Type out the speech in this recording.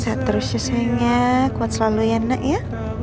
saya terus ya sayangnya kuat selalu ya nak ya